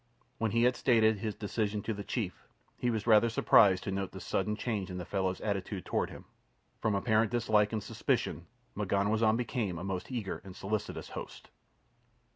When he had stated his decision to the chief he was rather surprised to note the sudden change in the fellow's attitude toward him. From apparent dislike and suspicion M'ganwazam became a most eager and solicitous host.